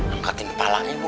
angkatin kepala ibu